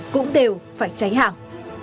cũng đều phải cháy hạt